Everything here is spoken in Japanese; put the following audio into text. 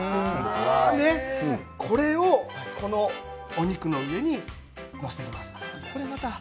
これをお肉の上に載せていきます。